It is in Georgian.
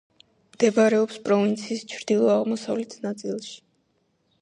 მდებარეობს პროვინციის ჩრდილო-აღმოსავლეთ ნაწილში.